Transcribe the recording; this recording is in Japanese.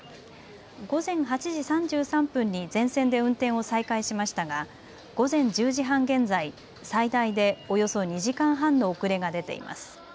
午前８時３３分に全線で運転を再開しましたが午前１０時半現在、最大でおよそ２時間半の遅れが出ています。